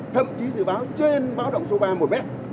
thậm chí dự báo trên báo động số ba một m